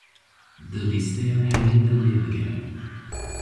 Di lîsteya heyî de lê bigere.